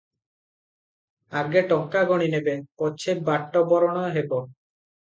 ଆଗେ ଟଙ୍କା ଗଣିନେବେ, ପଛେ ବାଟବରଣ ହେବ ।